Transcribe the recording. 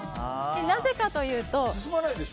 なぜかというと。